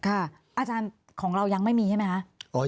อาจารย์ของเรายังไม่มีใช่ไหมคะ